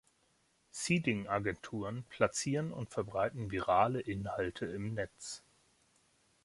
Seeding-Agenturen, platzieren und verbreiten virale Inhalte im Netz.